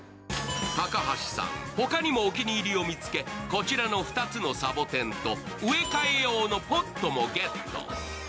高橋さん、他にもお気に入りを見つけ、こちらの２つのサボテンと植え替え用のポットもゲット。